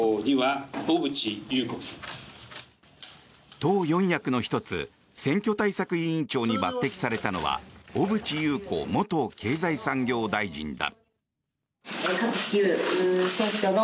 党四役の１つ選挙対策委員長に抜てきされたのは小渕優子元経済産業大臣だ。